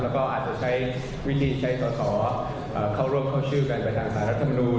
แล้วก็อาจจะใช้วิธีใช้สอสอเข้าร่วมเข้าชื่อกันกับทางสารรัฐมนูล